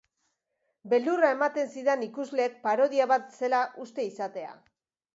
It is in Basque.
Beldurra ematen zidan ikusleek parodia bat zela uste izatea.